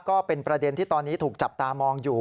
ก็เป็นประเด็นที่ตอนนี้ถูกจับตามองอยู่